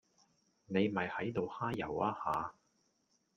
你咪喺度揩油呀吓